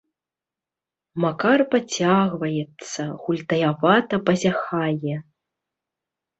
Макар пацягваецца, гультаявата пазяхае.